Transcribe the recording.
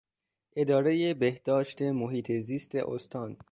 ادارهٔ بهداشت محیط زیست استان